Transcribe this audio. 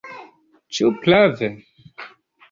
Ĉu prave?